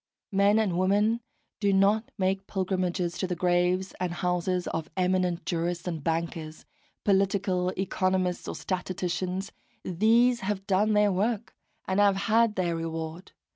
Men and women do not make pilgrimages to the graves and houses of eminent jurists and bankers, political economists or statisticians: these have done their work, and have had their reward.